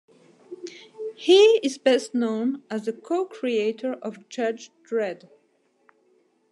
He is best known as the co-creator of "Judge Dredd".